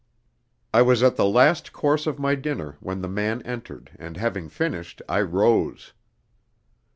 I was at the last course of my dinner when the man entered, and having finished I rose.